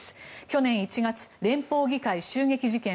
去年１月、連邦議会襲撃事件。